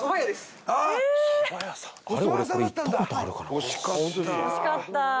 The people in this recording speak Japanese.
惜しかった！